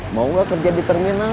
mau nggak kerja di terminal